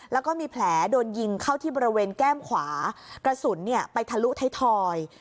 แล้วก็มีแผลโดนยิงเข้าที่บริเวณแก้มขวากระสุนไปทะลุท้ายทอย